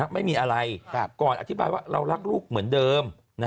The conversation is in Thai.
ไม่มีอะไรก่อนอธิบายว่าเรารักลูกเหมือนเดิม